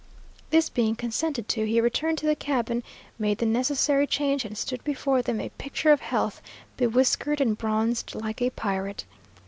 This being consented to, he returned to the cabin, made the necessary change, and stood before them a picture of health, bewhiskered and bronzed like a pirate.